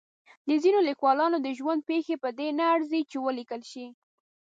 د ځینو لیکوالانو د ژوند پېښې په دې نه ارزي چې ولیکل شي.